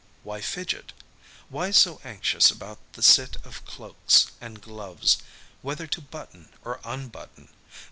Why fidget? Why so anxious about the sit of cloaks; and gloves whether to button or unbutton?